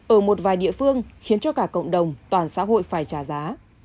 ở một vài địa phương khiến cho cả cộng đồng toàn xã hội phải trả giá